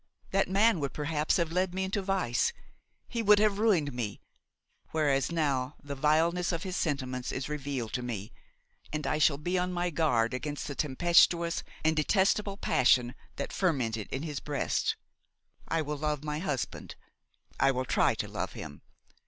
That man would perhaps have led me into vice, he would have ruined me; whereas now the vileness of his sentiments is revealed to me, and I shall be on my guard against the tempestuous and detestable passion that fermented in his breast. I will love my husband! I will try to love him!